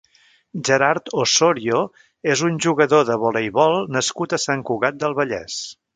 Gerard Osorio és un jugador de voleibol nascut a Sant Cugat del Vallès.